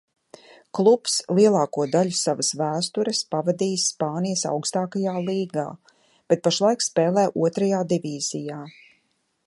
Klubs lielāko daļu savas vēstures pavadījis Spānijas augstākajā līgā, bet pašlaik spēlē Otrajā divīzijā.